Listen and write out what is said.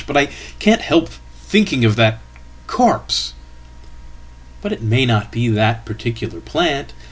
But I can't help thinking of that corpse.""But it may not be that particular plant.